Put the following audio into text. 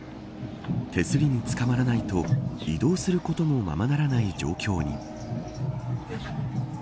手すりにつかまらないと移動することもままならない状況に。